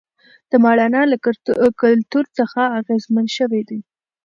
د ماڼانا له کلتور څخه اغېزمن شوي دي.